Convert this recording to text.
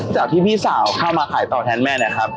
จากที่พี่สาวเข้ามาขายต่อแทนแม่เนี่ยครับ